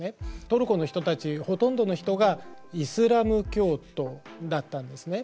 トルコの人たちほとんどの人がイスラーム教徒だったんですね。